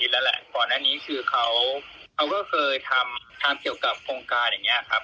แล้วแหละก่อนอันนี้คือเขาก็เคยทำเกี่ยวกับโครงการอย่างนี้ครับ